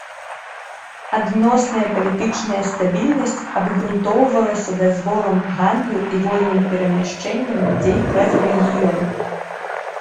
Адносная палітычная стабільнасць абгрунтоўвалася дазволам гандлю і вольным перамяшчэннем людзей праз рэгіён.